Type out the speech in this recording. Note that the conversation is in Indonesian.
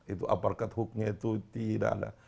itu aparted hooknya itu tidak ada